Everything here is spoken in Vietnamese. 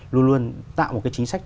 luôn luôn tạo một cái chính sách